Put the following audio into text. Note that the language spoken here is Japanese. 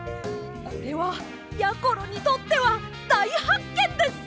これはやころにとってはだいはっけんです！